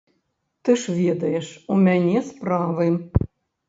Ты ж ведаеш, у мяне справы.